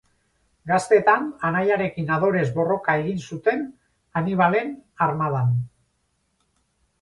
Gaztetan anaiarekin adorez borroka egin zuten Hanibalen armadan.